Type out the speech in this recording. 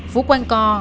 phú quanh co